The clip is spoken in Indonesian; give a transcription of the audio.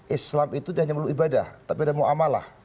islam itu hanya ibadah tapi ada muamalah